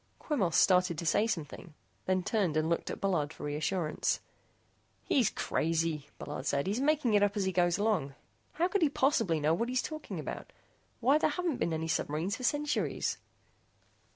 Quemos started to say something, then turned and looked at Bullard for reassurance. "He's crazy," Bullard said, "he's making it up as he goes along. How could he possibly know what he's talking about? Why, there haven't been any submarines for centuries."